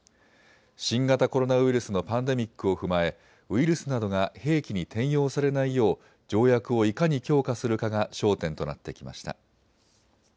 新型コロナウイルスのパンデミックを踏まえウイルスなどが兵器に転用されないよう条約をいかに強化するかが焦点となってきました。